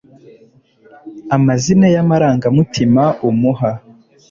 Amazina yamarangamutima umuha